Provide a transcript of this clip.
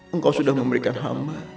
engkau sudah memberikan hamba